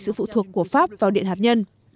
sự phụ thuộc của pháp vào điện hạt nhân